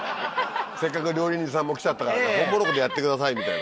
せっかく料理人さんも来ちゃったからホンモロコでやってくださいみたいな。